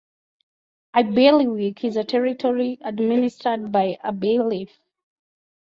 A bailiwick is a territory administered by a bailiff.